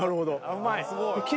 うまい。